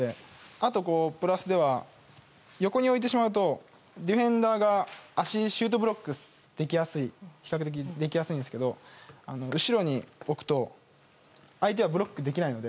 あと、プラスでは横に置いてしまうとディフェンダーが足でシュートブロックを比較的できやすいですが後ろに置くと相手がブロックできないので。